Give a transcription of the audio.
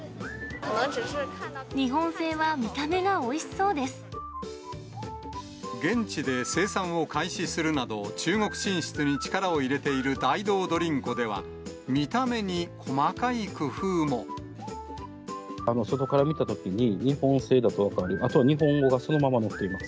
日本製は見た目がおいしそう現地で生産を開始するなど、中国進出に力を入れているダイドードリンコでは、見た目に細かい外から見たときに、日本製だとわかる、あとは日本語がそのまま載っています。